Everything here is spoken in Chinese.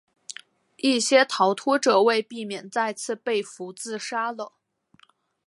一些逃脱者为避免再次被俘自杀了。